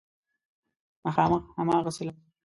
مخامخ هماغسې لاړم.